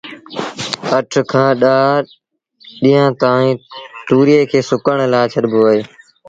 اَٺ کآݩ ڏآه ڏيݩهآݩ تائيٚݩ تُويئي کي سُڪڻ لآ ڇڏبو اهي